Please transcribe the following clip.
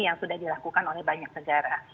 yang sudah dilakukan oleh banyak negara